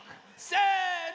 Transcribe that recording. せの！